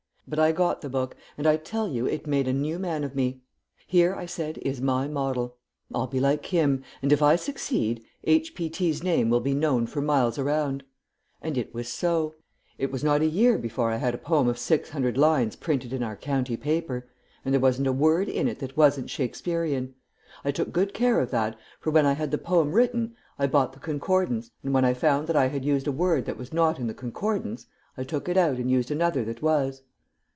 But I got the book, and I tell you it made a new man of me. 'Here' I said, 'is my model. I'll be like him, and if I succeed, H. P. T.'s name will be known for miles around.' And it was so. It was not a year before I had a poem of 600 lines printed in our county paper, and there wasn't a word in it that wasn't Shakespearean. I took good care of that, for when I had the poem written, I bought the concordance, and when I found that I had used a word that was not in the concordance, I took it out and used another that was."